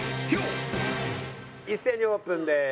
一斉にオープンです。